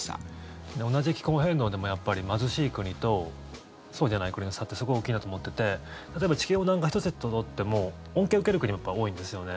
同じ気候変動でも貧しい国とそうじゃない国の差ってすごい大きいなと思っていて例えば、地球温暖化１つ取っても恩恵を受ける国も多いんですよね。